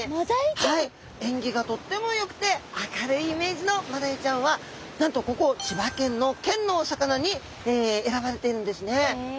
縁起がとってもよくて明るいイメージのマダイちゃんはなんとここ千葉県の県のお魚に選ばれているんですね。